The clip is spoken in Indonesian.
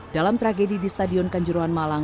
dalam tragedi di stadion kanjuruhan malang